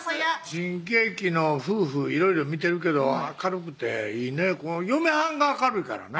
新喜劇の夫婦いろいろ見てるけど明るくていいね嫁はんが明るいからね